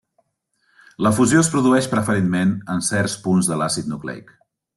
La fusió es produeix preferentment en certs punts de l'àcid nucleic.